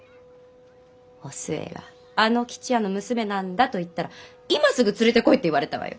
お寿恵があの吉也の娘なんだと言ったら今すぐ連れてこいって言われたわよ。